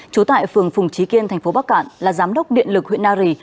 trú tại phường phùng trí kiên thành phố bắc cạn là giám đốc điện lực huyện nari